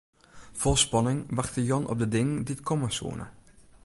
Fol spanning wachte Jan op de dingen dy't komme soene.